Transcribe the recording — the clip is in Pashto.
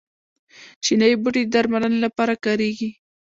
چینايي بوټي د درملنې لپاره کاریږي.